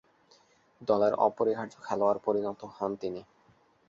দলের অপরিহার্য খেলোয়াড়ে পরিণত হন তিনি।